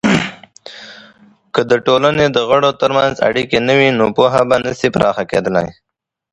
که د ټولني دغړو ترمنځ اړیکې نه وي، نو پوهه به نسي پراخه کیدلی.